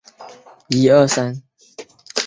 动力系统采用油煤混合燃烧型锅炉。